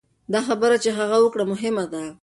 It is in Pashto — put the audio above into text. دا خبره چې هغه وکړه مهمه ده.